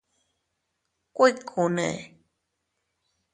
¿Kuikune?